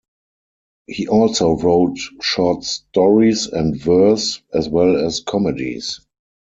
He also wrote short stories and verse, as well as comedies.